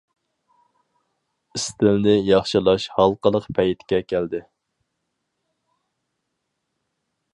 ئىستىلنى ياخشىلاش ھالقىلىق پەيتكە كەلدى.